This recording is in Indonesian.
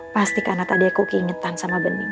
pasti karena tadi aku keingetan sama bening